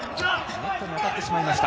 ネットに当たってしまいました。